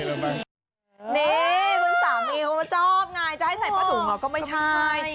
นี่คุณสามีเขาชอบไงจะให้ใส่ผ้าถุงก็ไม่ใช่